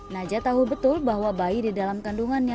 naja tahu betul bahwa bayi di dalam kandungannya